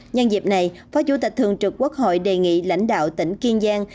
nhân dịp này phó chủ tịch thường trực quốc hội đề nghị lãnh đạo tỉnh kiên giang